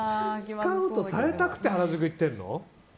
スカウトされたくて原宿行ってんの？